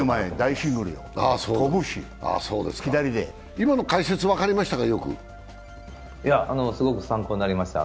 今の解説はよく分かりましたか？